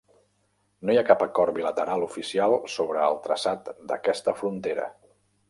No hi ha cap acord bilateral oficial sobre el traçat d'aquesta frontera.